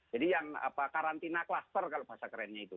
jadi yang karantina kluster kalau bahasa kerennya itu